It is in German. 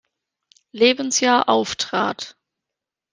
Lebensjahr auftrat.